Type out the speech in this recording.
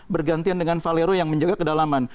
bergantian dengan valero yang menjaga kedalaman